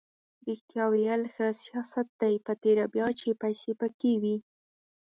ریښتیا ویل ښه سیاست دی په تېره بیا چې پیسې پکې وي.